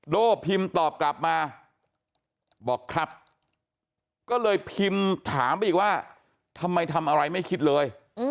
โดพิมพ์ตอบกลับมาบอกครับก็เลยพิมพ์ถามไปอีกว่าทำไมทำอะไรไม่คิดเลย